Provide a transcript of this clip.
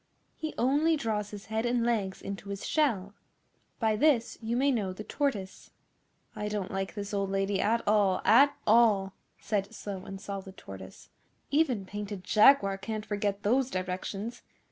'He only draws his head and legs into his shell. By this you may know the tortoise.' 'I don't like this old lady at all at all,' said Slow and Solid Tortoise. 'Even Painted Jaguar can't forget those directions.